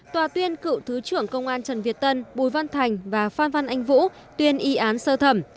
tòa tuyên cựu thứ trưởng công an trần việt tân bùi văn thành và phan văn anh vũ tuyên y án sơ thẩm